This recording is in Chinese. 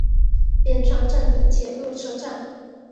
边川站的铁路车站。